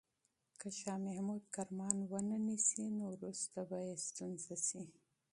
که شاه محمود کرمان ونه نیسي، نو وروسته به یې ستونزه شي.